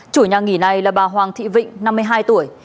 chủ nhà nghỉ này là bà hoàng thị vịnh năm mươi hai tuổi